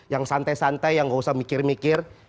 yang santai santai yang gak usah mikir mikir